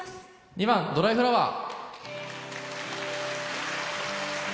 ２番「ドライフラワー」。